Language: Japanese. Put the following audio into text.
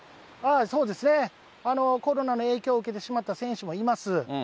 コロナの影響を受けてしまった選手もいます。